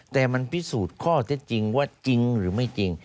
แต่มันพิสูจน์ข้อเท็จจริงว่าจริงหรือไม่จริง